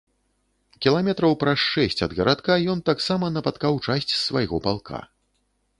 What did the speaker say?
Кіламетраў праз шэсць ад гарадка ён таксама напаткаў часць з свайго палка.